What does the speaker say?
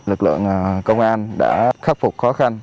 lực lượng công an đã khắc phục khó khăn